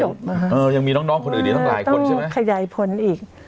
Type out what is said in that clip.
อ่ะฮะเออยังมีน้องน้องคนอื่นอีกน้องหลายคนใช่ไหมต้องขยายผลอีก